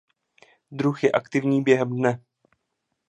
Druh je aktivní během dne.